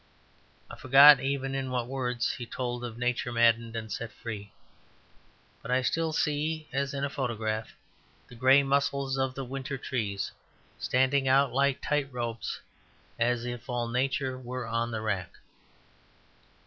I forget even in what words he told of Nature maddened and set free. But I still see, as in a photograph, the grey muscles of the winter trees standing out like tight ropes, as if all Nature were on the rack.